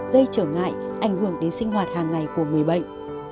gây trở ngại ảnh hưởng đến sinh hoạt hàng ngày của người bệnh